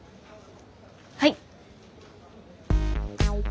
はい。